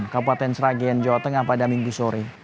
kabupaten sragen jawa tengah pada minggu sore